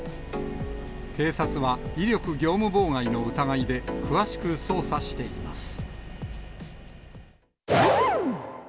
警察は、威力業務妨害の疑いで、詳しく捜査しています。